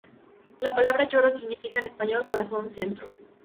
La palabra Yoro significa en español "corazón centro".